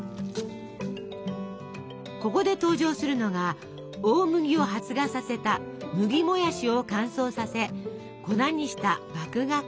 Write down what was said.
ここで登場するのが大麦を発芽させた「麦もやし」を乾燥させ粉にした麦芽粉。